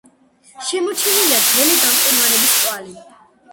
შემორჩენილია ძველი გამყინვარების კვალი.